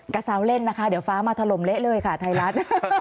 ซาวเล่นนะคะเดี๋ยวฟ้ามาถล่มเละเลยค่ะไทยรัฐ